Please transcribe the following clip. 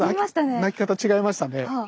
鳴き方違いましたね。